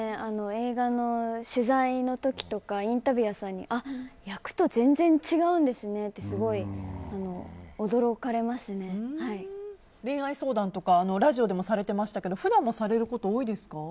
映画の取材の時とかインタビュアーさんとかに役と全然違うんですねって恋愛相談とかラジオでもされてましたけど普段もされること多いですか？